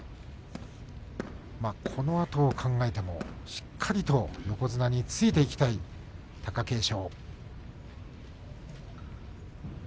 このあとを考えてもしっかりと横綱についていきたい貴景勝。